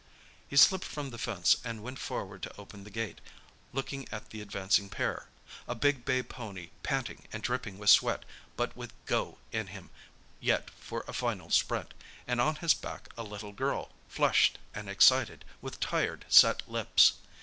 He slipped from the fence and went forward to open the gate, looking at the advancing pair. A big bay pony panting and dripping with sweat, but with "go" in him yet for a final sprint; and on his back a little girl, flushed and excited, with tired, set lips.